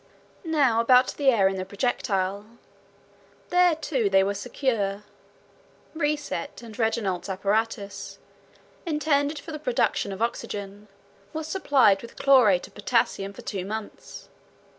Now about the air in the projectile. There, too, they were secure. Reiset and Regnaut's apparatus, intended for the production of oxygen, was supplied with chlorate of potassium for two months.